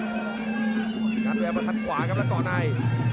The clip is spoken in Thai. กระแทกซ้ายมาขันขวาครับแล้วก่อนใน